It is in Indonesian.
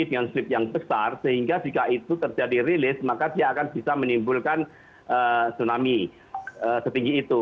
dengan slip yang besar sehingga jika itu terjadi rilis maka dia akan bisa menimbulkan tsunami setinggi itu